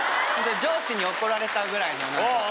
上司に怒られたぐらいの。